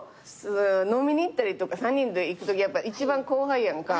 飲みに行ったりとか３人で行くとき一番後輩やんか。